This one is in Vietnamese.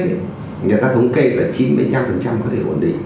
người ta thống kê là chín mươi năm có thể ổn định